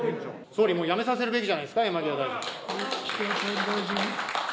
総理、もう辞めさせるべきじゃないですか、山際大臣。